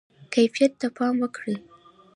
کیفیت ته پام وکړئ